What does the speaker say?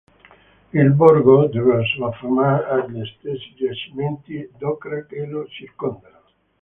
Il borgo deve la sua fama agli estesi giacimenti d'ocra che lo circondano.